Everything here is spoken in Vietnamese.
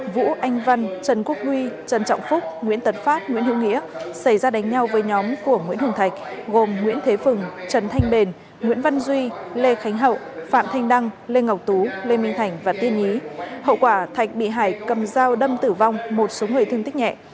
vũ anh văn trần quốc huy trần trọng phúc nguyễn tấn phát nguyễn hiệu nghĩa xảy ra đánh nhau với nhóm của nguyễn hồng thạch gồm nguyễn thế phừng trần thanh bền nguyễn văn duy lê khánh hậu phạm thanh đăng lê ngọc tú lê minh thành và tiên nhí hậu quả thạch bị hải cầm dao đâm tử vong một số người thương tích nhẹ